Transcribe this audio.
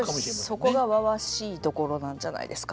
そこがわわしいところなんじゃないですか？